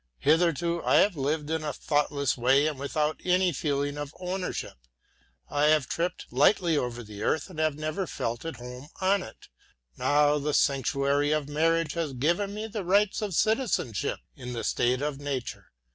Hitherto I have lived in a thoughtless way and without any feeling of ownership; I have tripped lightly over the earth and have never felt at home on it. Now the sanctuary of marriage has given me the rights of citizenship in the state of nature.